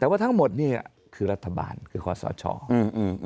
แต่ว่าทั้งหมดนี่คือรัฐบาลคือข้อสอชออืมอืม